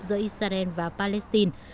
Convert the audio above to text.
giữa israel và palestine